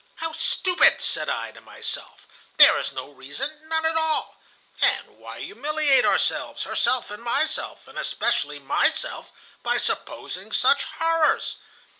"'How stupid!' said I to myself; 'there is no reason, none at all. And why humiliate ourselves, herself and myself, and especially myself, by supposing such horrors?